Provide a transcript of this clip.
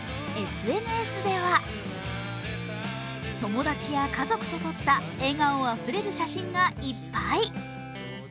ＳＮＳでは、友達や家族と撮った笑顔あふれる写真がいっぱい。